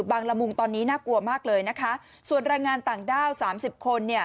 ละมุงตอนนี้น่ากลัวมากเลยนะคะส่วนแรงงานต่างด้าวสามสิบคนเนี่ย